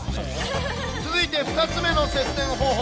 続いて２つ目の節電方法。